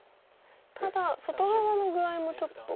ただ外側の具合もちょっと。